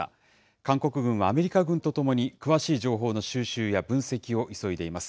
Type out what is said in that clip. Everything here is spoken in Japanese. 韓国軍はアメリカ軍と共に詳しい情報の収集や分析を急いでいます。